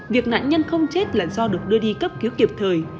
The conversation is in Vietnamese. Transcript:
việc nạn nhân không chết là do được đưa đi cấp cứu kịp thời